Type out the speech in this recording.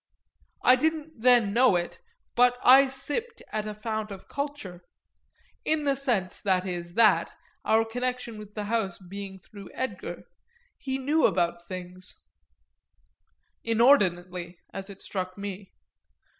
I didn't then know it, but I sipped at a fount of culture; in the sense, that is, that, our connection with the house being through Edgar, he knew about things inordinately, as it struck me.